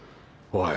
おい